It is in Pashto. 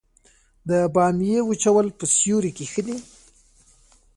د بامیې وچول په سیوري کې ښه دي؟